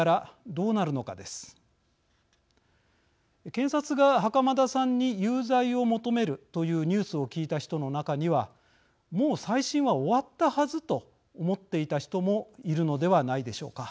検察が袴田さんに有罪を求めるというニュースを聞いた人の中にはもう再審は終わったはずと思っていた人もいるのではないでしょうか。